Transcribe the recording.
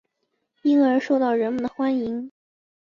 因而受到人们的欢迎。